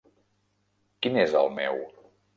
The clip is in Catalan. Quin és el meu?